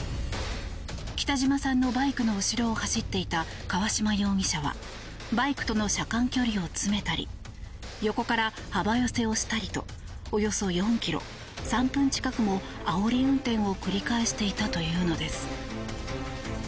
北島さんのバイクの後ろを走っていた川島容疑者はバイクとの車間距離を詰めたり横から幅寄せをしたりとおよそ４ｋｍ３分近くも、あおり運転を繰り返していたというのです。